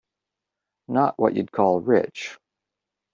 Not what you'd call rich.